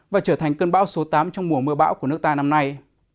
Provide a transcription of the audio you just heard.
và trở thành cơn bão số tám trong mùa mưa bão của nước ta năm nay